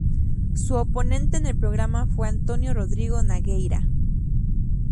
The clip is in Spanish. Su oponente en el programa fue Antônio Rodrigo Nogueira.